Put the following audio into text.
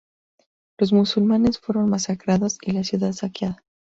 Los musulmanes fueron masacrados y la ciudad saqueada.